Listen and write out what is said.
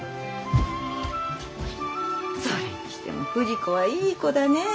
それにしても富士子はいい子だね。